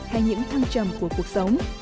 với những thăng trầm của cuộc sống